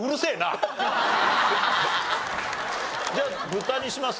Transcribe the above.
じゃあ豚にします？